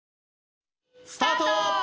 スタート！